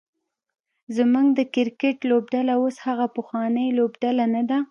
زمونږ د کرکټ لوبډله اوس هغه پخوانۍ لوبډله نده